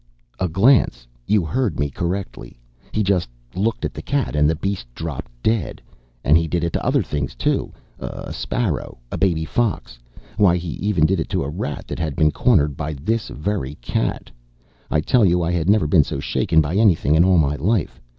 "A glance! You heard me correctly. He just looked at the cat, and the beast dropped dead. And he did it to other things, too a sparrow, a baby fox. Why, he even did it to a rat that had been cornered by this very cat. "I tell you, I had never been so shaken by anything in all my life.